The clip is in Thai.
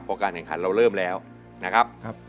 พอการแข่งขันเราเริ่มแล้วนะครับ